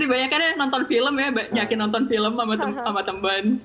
banyak yang nonton film ya nyakin nonton film sama temen temen